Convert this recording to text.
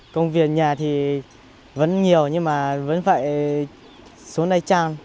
công việc nhà thì vẫn nhiều nhưng mà vẫn phải xuống đây tràn